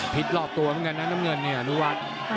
ผิดหลอกตัวเหมือนกันนะน้ำเงินนี่ฮานุวัฒน์